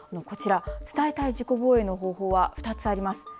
こちら、伝えたい自己防衛の方法は２つあります。